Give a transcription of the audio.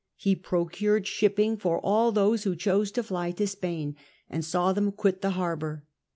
He procured shipping for all those who chose to fly to Spain, and saw them quit the harbour.